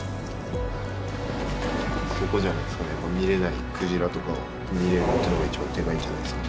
そこじゃないですかね見れない鯨とかを見れるっていうのが一番でかいんじゃないですか。